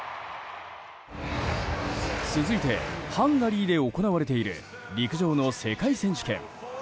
続いてハンガリーで行われている陸上の世界選手権。